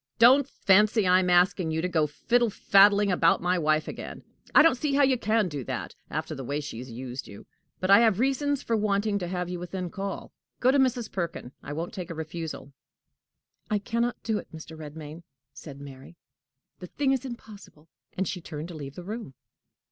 "Don't fancy I am asking you to go fiddle faddling about my wife again: I don't see how you can do that, after the way she has used you! But I have reasons for wanting to have you within call. Go to Mrs. Perkin. I won't take a refusal." "I can not do it, Mr. Redmain," said Mary; "the thing is impossible." And she turned to leave the room.